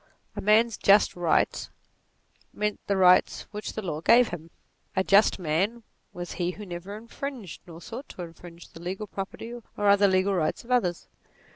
A man's just rights, meant the rights which the law gave him : a just man, was he who never infringed, nor sought to infringe, the legal property or other legal rights of others.